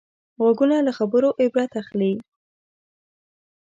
غوږونه له خبرو عبرت اخلي